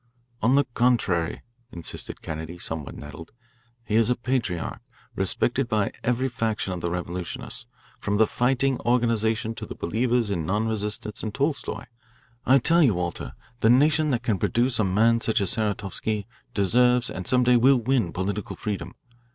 "On the contrary," insisted Kennedy, somewhat nettled, "he is a patriarch, respected by every faction of the revolutionists, from the fighting organisation to the believers in non resistance and Tolstoy. I tell you, Walter, the nation that can produce a man such as Saratovsky deserves and some day will win political freedom.